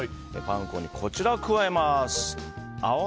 パン粉にこちらを加えます。